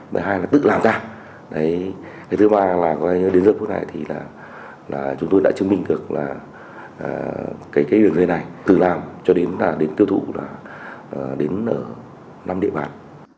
mới hai là tự làm ra đấy cái thứ ba là có thể đến giữa phút này thì là chúng tôi đã chứng minh được là cái đường dây này từ làm cho đến tiêu thụ là đến năm địa bàn